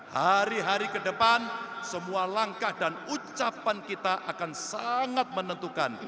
hari hari ke depan semua langkah dan ucapan kita akan sangat menentukan